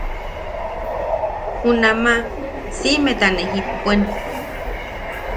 Junnama siʼimeta ne jippuen.